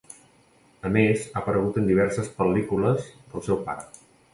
A més ha aparegut en diverses pel·lícules del seu pare.